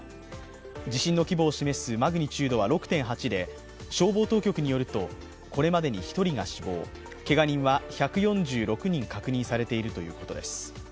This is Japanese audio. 地震の規模を示すマグニチュードは６．８で消防当局によると、これまでに１人が死亡、けが人は１４６人確認されているということです。